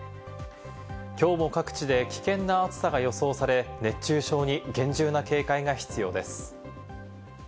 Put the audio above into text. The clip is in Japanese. きょうも各地で危険な暑さが予想され、熱中症に厳重な警戒が必要です。